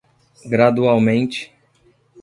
Gradualmente